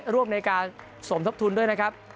ร่วมในการสมทบทุนด้วยนะครับ